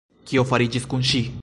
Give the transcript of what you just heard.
Kio fariĝis kun ŝi?